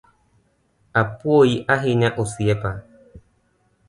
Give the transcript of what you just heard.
Apuoyi ahinya Osiepa.